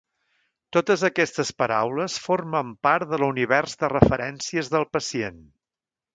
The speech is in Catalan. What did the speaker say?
Totes aquestes paraules formen part de l'univers de referències del pacient.